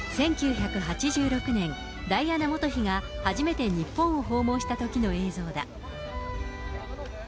これは１９８６年、ダイアナ元妃が初めて日本を訪問したときの映像だ。